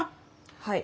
はい。